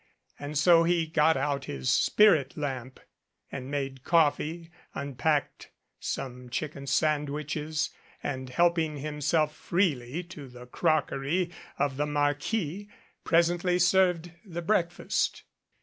And so he got out his spirit lamp and made coffee, unpacked some chicken sandwiches, and, help ing himself freely to the crockery of the Marquis, pres ently served the breakfast.